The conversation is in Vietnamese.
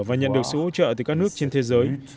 và nhận được sự hỗ trợ từ các nước trên thế giới